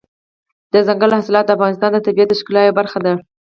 دځنګل حاصلات د افغانستان د طبیعت د ښکلا یوه برخه ده.